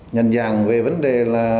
nhận dạng về vấn đề là